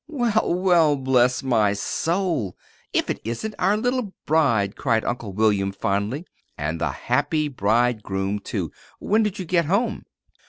"Well, well, bless my soul! If it isn't our little bride," cried Uncle William, fondly. "And the happy bridegroom, too. When did you get home?"